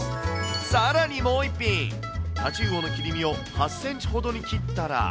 さらにもう一品、太刀魚の切り身を８センチほどに切ったら。